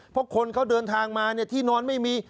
เพราะคนเขาเดินทางมาที่นอนไม่มี